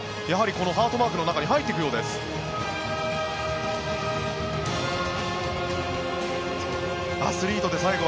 やはりこのハートマークの中に入っていくようです。